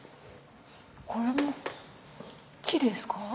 これも木ですか？